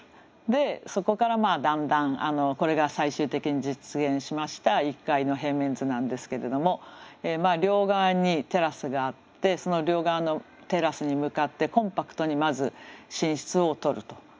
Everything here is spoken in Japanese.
でそこからだんだんこれが最終的に実現しました１階の平面図なんですけれども両側にテラスがあってその両側のテラスに向かってコンパクトにまず寝室を取ると。